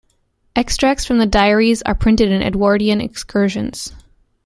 Extracts from the diaries are printed in Edwardian Excursions.